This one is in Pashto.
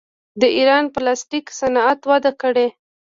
د ایران پلاستیک صنعت وده کړې.